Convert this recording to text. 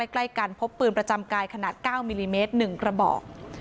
ใกล้กันพบปืนประจำกายขนาด๙มิลลิเมตร๑กระบอก